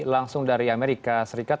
langsung dari amerika serikat